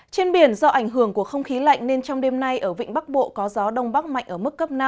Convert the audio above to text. trên biển do ảnh hưởng của không khí lạnh nên trong đêm nay ở vịnh bắc bộ có gió đông bắc mạnh ở mức cấp năm